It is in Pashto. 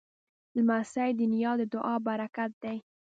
لمسی د نیا د دعا پرکت دی.